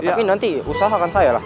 tapi nanti usahakan saya lah